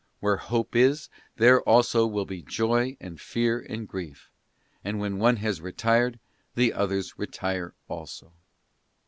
Where hope is, there also will be joy and fear and grief; and when one has retired, the others retire also.